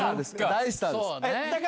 大スターですから。